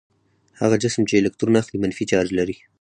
هغه جسم چې الکترون اخلي منفي چارج لري.